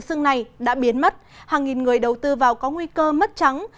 xưng này đã biến mất hàng nghìn người đầu tư vào có nguy cơ mất trắng